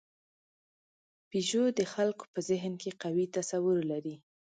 پيژو د خلکو په ذهن کې قوي تصور لري.